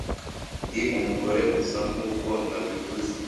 ndi umugore gusa nk’uko nabivuze